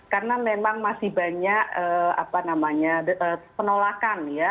karena memang masih banyak penolakan ya